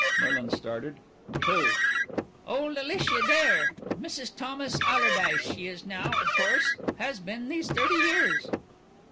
Merlin started. "Who?" "Old Alicia Dare. Mrs. Thomas Allerdyce she is now, of course; has been, these thirty years."